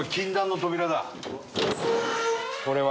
これは。